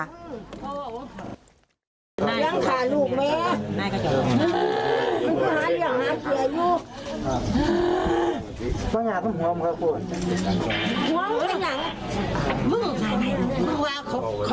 ย้างคาลูกเลยย้างคาลูก